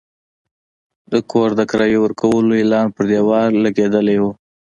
د کور د کرایې ورکولو اعلان پر دېوال لګېدلی و.